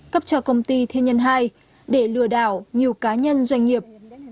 cấp cho công ty thiên nhân hai để lừa đảo nhiều cá nhân doanh nghiệp